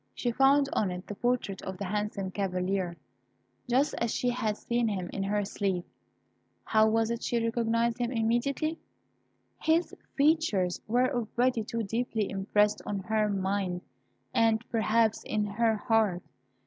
She found on it the portrait of the handsome Cavalier, just as she had seen him in her sleep. How was it she recognised him immediately? His features were already too deeply impressed on her mind, and, perhaps, in her heart.